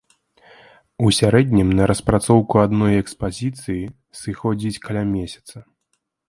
У сярэднім на распрацоўку адной экспазіцыі сыходзіць каля месяца.